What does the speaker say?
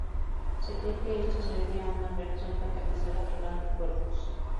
Se cree que esto se debe a una reacción catalizada por anticuerpos.